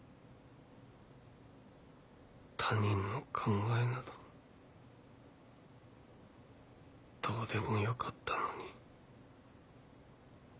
他人の考えなどどうでもよかったのに。